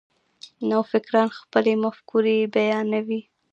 نوفکران خپلې مفکورې بیانوي.